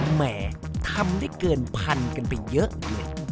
แหมทำได้เกินพันกันไปเยอะเลย